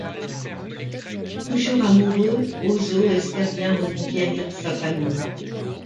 Toujours amoureux, Oso espère bien reconquérir sa famille.